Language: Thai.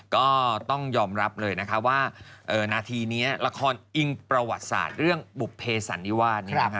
ก็ต้องยอมรับเลยนะคะว่านาทีนี้ละครอิงประวัติศาสตร์เรื่องบุภเพสันนิวาส